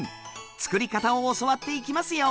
作り方を教わっていきますよ！